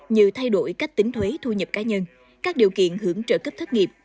như thay đổi cách tính thuế thu nhập cá nhân các điều kiện hưởng trợ cấp thất nghiệp